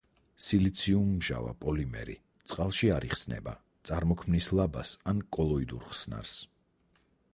სილიციუმმჟავა პოლიმერი, წყალში არ იხსნება, წარმოქმნის ლაბას ან კოლოიდურ ხსნარს.